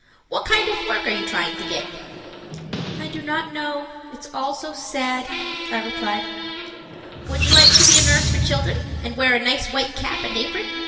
What kind of work are you trying to get?" "I do not know; it's all so sad," I replied. "Would you like to be a nurse for children and wear a nice white cap and apron?"